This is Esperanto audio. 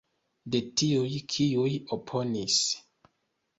De tiuj, kiuj oponis.